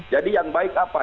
jadi yang baik apa